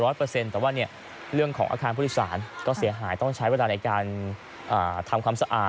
แต่ว่าของกองอาคารผู้ลิศาลก็เสียหายต้องใช้เวลาทำความสะอาด